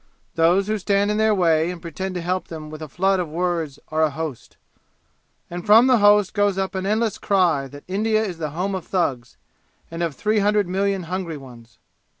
Those who stand in their way and pretend to help them with a flood of words are a host. And from the host goes up an endless cry that India is the home of thugs, and of three hundred million hungry ones.